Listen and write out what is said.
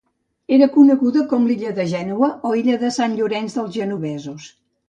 Era coneguda com l'illa de Gènova o illa de Sant Llorenç dels Genovesos.